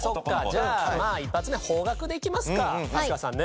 じゃあまあ一発目邦楽でいきますか飛鳥さんね。